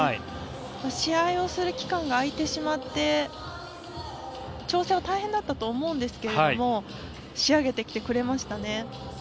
試合をする期間が空いてしまって調整は大変だったと思うんですけど仕上げてきてくれましたね。